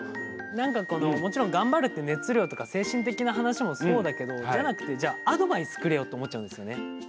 なんか、この、もちろん頑張るって熱量とか精神的な話もそうだけど、じゃなくてじゃあ、アドバイスくれよって思っちゃうんですよね。